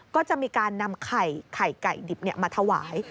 ก็จะมีการนำไข่ไก่ดิบมาถวาย